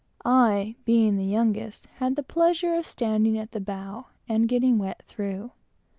I, being the youngest, had the pleasure of standing at the bow, and getting wet through.